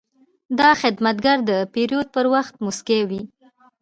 دا خدمتګر د پیرود پر وخت موسکی وي.